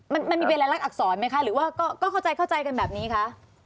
มันมีเป็นอะไรรักอักษรไหมคะหรือว่าก็เข้าใจกันแบบนี้คะ